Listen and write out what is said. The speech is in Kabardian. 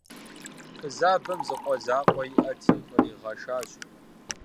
Фызабэм зы къуэ закъуэ иӀэти, къригъэшащ.